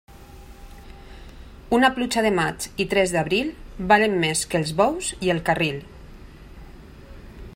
Una pluja de maig i tres d'abril valen més que els bous i el carril.